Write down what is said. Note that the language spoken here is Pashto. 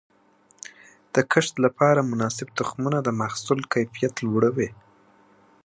د کښت لپاره مناسب تخمونه د محصول کیفیت لوړوي.